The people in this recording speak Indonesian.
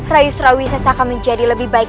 rai surawisesa akan menjadi lebih baik